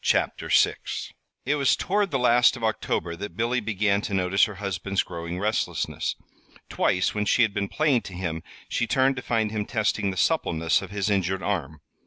"THE PAINTING LOOK" It was toward the last of October that Billy began to notice her husband's growing restlessness. Twice, when she had been playing to him, she turned to find him testing the suppleness of his injured arm.